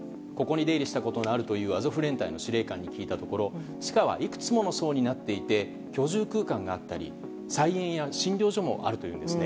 出入りしたことがあるというアゾフ連隊の司令官に聞いたところ地下はいくつもの層になっていて居住空間があったり菜園や診療所もあるというんです。